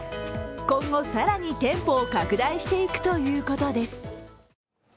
今後、更に店舗を拡大していくということです。